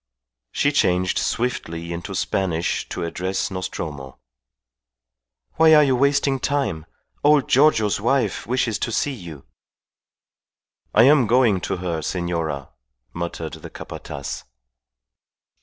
She changed swiftly into Spanish to address Nostromo. "Why are you wasting time? Old Giorgio's wife wishes to see you." "I am going to her, senora," muttered the Capataz.